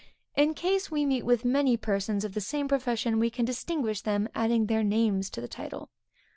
In case we meet with many persons of the same profession, we can then distinguish them, adding their name to the title.